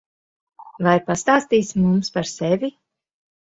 Vai pastāstīsi mums par sevi?